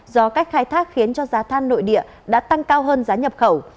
do cách khai thác khiến cho giá than nội địa đã tăng cao hơn giá nhập khẩu